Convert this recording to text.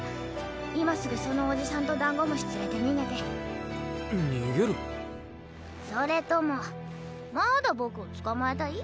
今すぐそのおじさんとダンゴ虫連れて逃げてそれともまだ僕を捕まえたい？